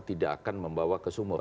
tidak akan membawa ke sumur